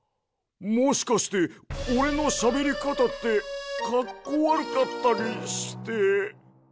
もしかしておれのしゃべりかたってかっこわるかったりして？